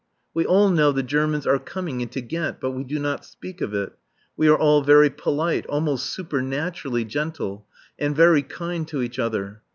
We all know the Germans are coming into Ghent. But we do not speak of it. We are all very polite, almost supernaturally gentle, and very kind to each other.